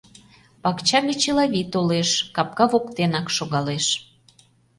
Пакча гыч Элавий толеш, капка воктенак шогалеш.